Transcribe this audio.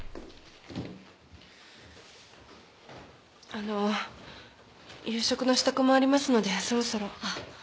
あのう夕食の支度もありますのでそろそろ。